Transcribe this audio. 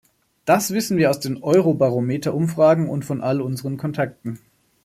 Das wissen wir aus den Eurobarometer-Umfragen und von all unseren Kontakten.